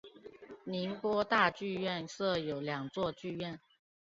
宁波大剧院设有两座剧场。